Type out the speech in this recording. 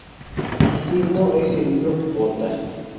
Su signo es el libro que porta.